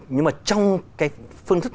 nhưng mà trong cái phương thức